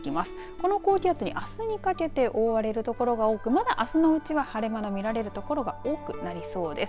この高気圧にあすにかけて覆われる所が多くまだあすのうちは晴れ間の見られる所が多くなりそうです。